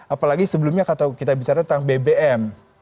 apalagi sebelumnya kalau kita bicara tentang bbm